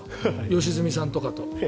良純さんとかと。